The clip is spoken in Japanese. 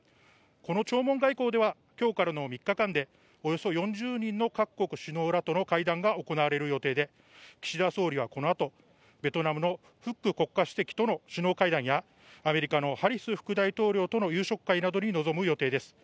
この弔問外交では今日からの３日間で、およそ４０人の各国首脳らとの会談が行われる予定で岸田総理はこのあとベトナムのフック国家主席との首脳会談やアメリカのハリス副大統領との夕食会などに臨む予定です。